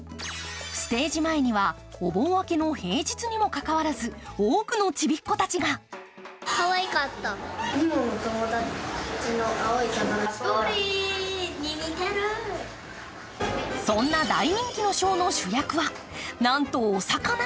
ステージ前にはお盆明けの平日にもかかわらず多くのちびっ子たちがそんな大人気のショーの主役はなんとお魚。